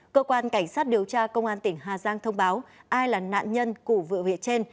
cơ quan cảnh sát điều tra công an tỉnh hà giang thông báo ai là nạn nhân củ vựa vệ trên